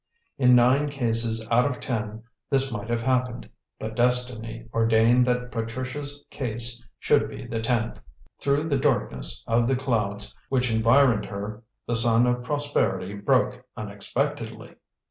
In nine cases out of ten this might have happened; but Destiny ordained that Patricia's case should be the tenth. Through the darkness of the clouds which environed her the sun of prosperity broke unexpectedly.